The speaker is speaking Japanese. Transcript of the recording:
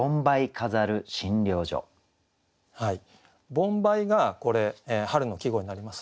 「盆梅」がこれ春の季語になりますね。